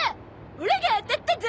オラが当たったゾ！